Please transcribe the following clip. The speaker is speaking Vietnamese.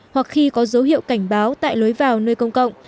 hoặc khi có dấu hiệu cảnh báo tại lối vào nơi công cộng